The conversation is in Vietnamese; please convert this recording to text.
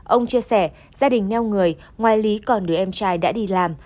ông chia sẻ gia đình neo người ngoài lý còn người em trai đã đi làm